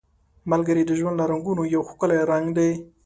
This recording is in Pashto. ملګری د ژوند له رنګونو یو ښکلی رنګ دی